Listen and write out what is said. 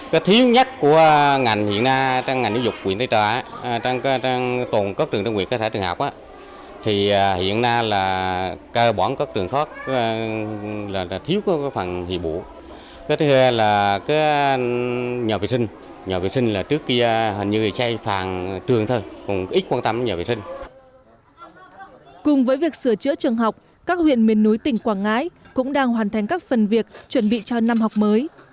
cùng với việc sửa chữa trường học các huyện miền núi tỉnh quảng ngãi cũng đang hoàn thành các phần việc chuẩn bị cho năm học mới